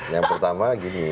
yang pertama gini